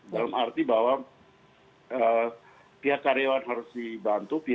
dalam arti bahwa pihak karyawan harus dibantu